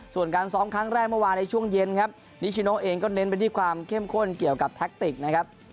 ส่วนการซ้อมครั้งแรกว่าในช่วงเย็นนิชิโน่เองก็เน้นไปที่ความเข้มข้นเกี่ยวกับแท็กติก